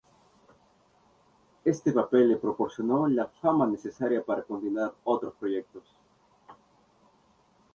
Este papel le proporcionó la fama necesaria para continuar otros proyectos.